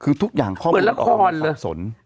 คือทุกอย่างข้อมูลออกมาข้อมูลสับสน